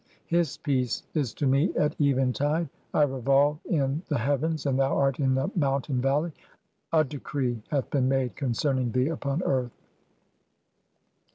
His peace is to me at eventide ; I re "volve in (10) the heavens and thou art in the mountain valley. "A decree [hath been made] concerning thee upon earth."